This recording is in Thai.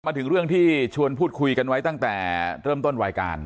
มาถึงเรื่องที่ชวนพูดคุยกันไว้ตั้งแต่เริ่มต้นรายการ